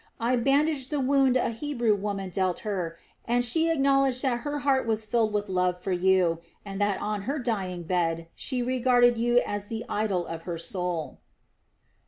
I bandaged the wound a Hebrew woman dealt her and she acknowledged that her heart was filled with love for you, and that on her dying bed she regarded you as the idol of her soul."